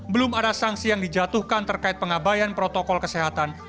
belum ada sanksi yang dijatuhkan terkait pengabayan protokol kesehatan